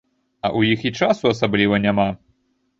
А ў іх і часу асабліва няма.